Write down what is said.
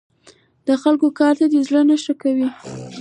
د خلکو دې کار ته زړه نه ښه کاوه.